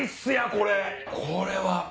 これは！